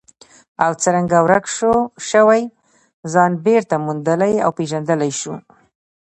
او څرنګه ورک شوی ځان بېرته موندلی او پېژندلی شو.